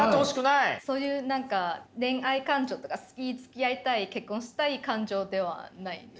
そういう何か恋愛感情とか好きつきあいたい結婚したい感情ではないです。